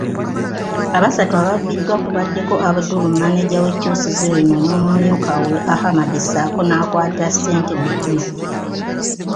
Abasatu ababbiddwa kubaddeko Abdul, maneja w'ekkyusizo lino n'omumyukawe Ahmed ssaako n'akwata essente Muhammad.